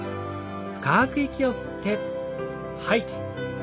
深く息を吸って吐いて。